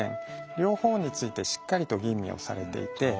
両方についてしっかりと吟味をされていて。